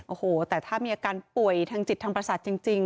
โอ้โหแต่ถ้ามีอาการป่วยทางจิตทางประสาทจริง